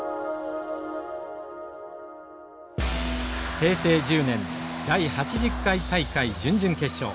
平成１０年第８０回大会準々決勝。